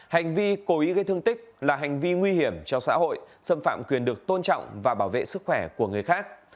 hành vi cố ý gây thương tích là hành vi nguy hiểm cho xã hội xâm phạm quyền được tôn trọng và bảo vệ sức khỏe của người khác